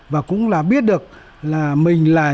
và cũng là biết được là mình là